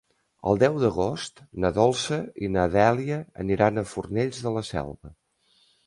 El deu d'agost na Dolça i na Dèlia aniran a Fornells de la Selva.